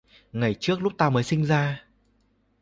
Ngày trước lúc tao mới sinh ra